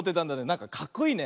なんかかっこいいね。